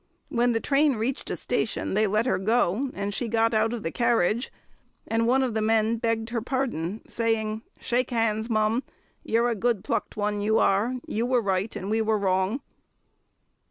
When the train reached a station, they let her go, and she got out of the carriage, and one of the men begged her pardon, saying, "Shake hands, mum! you're a good plucked one, you are; you were right, and we were wrong."